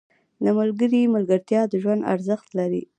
• د ملګري ملګرتیا د ژوند ارزښت لري.